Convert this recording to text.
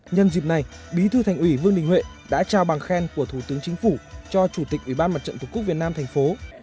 nhân dịp này bí thư thành ủy vương đình huệ đã trao bằng khen của thủ tướng chính phủ cho chủ tịch ubnd tp việt nam thành phố